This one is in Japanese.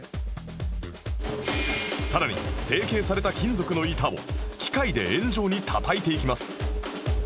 さらに成型された金属の板を機械で円状にたたいていきます